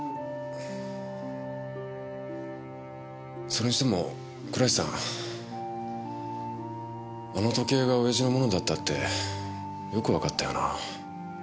それにしても倉石さんあの時計が親父のものだったってよくわかったよな。